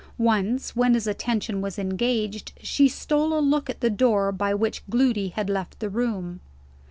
Once, when his attention was engaged, she stole a look at the door by which Gloody had left the room.